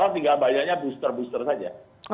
tinggal banyaknya booster booster saja